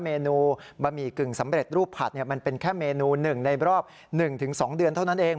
เมนูบะหมี่กึ่งสำเร็จรูปผัดมันเป็นแค่เมนูหนึ่งในรอบ๑๒เดือนเท่านั้นเอง